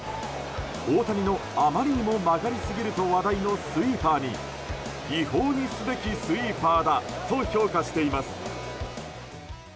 大谷のあまりにも曲がりすぎると話題のスイーパーに違法にすべきスイーパーだと評価しています。